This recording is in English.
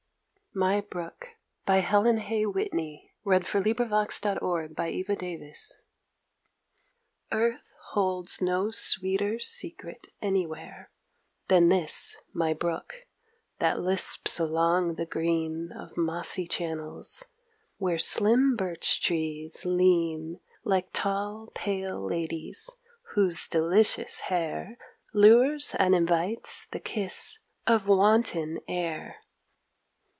t as the blue in sunny skies; Then am I very lonely and afraid. MY BROOK Earth holds no sweeter secret anywhere Than this my brook, that lisps along the green Of mossy channels, where slim birch trees lean Like tall pale ladies whose delicious hair Lures and invites the kiss of wanton air.